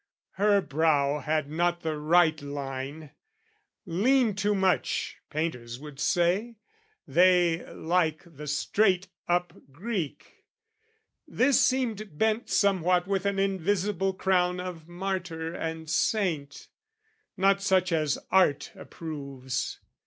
Her brow had not the right line, leaned too much, Painters would say; they like the straight up Greek: This seemed bent somewhat with an invisible crown Of martyr and saint, not such as art approves.